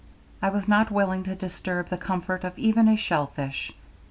I was not willing to disturb the comfort of even a shell fish.